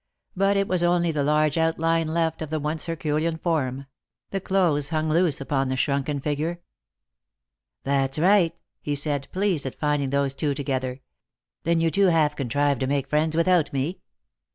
But it was only the large outline left of the once herculean form ; the clothes hung loose upon the shrunken figure. " That's right," he said, pleased at finding those two together. " Then you two have contrived to make friends without me?